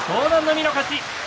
海の勝ち。